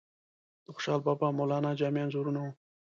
د خوشحال بابا، مولانا جامی انځورونه وو.